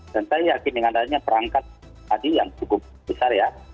dan saya yakin dengan adanya perangkat tadi yang cukup besar ya